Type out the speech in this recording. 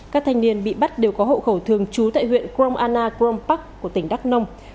các thanh niên bị bắt đều có hậu khẩu thường trú tại huyện crom anna crom park của tỉnh đắk nông